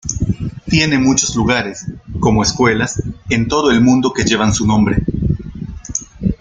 Tiene muchos lugares, como escuelas, en todo el mundo que llevan su nombre.